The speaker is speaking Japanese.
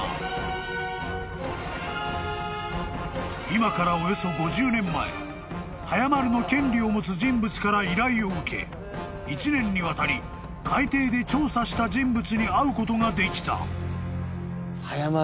［今からおよそ５０年前早丸の権利を持つ人物から依頼を受け１年にわたり海底で調査した人物に会うことができた］